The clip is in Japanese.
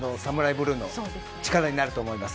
ブルーの力になると思います。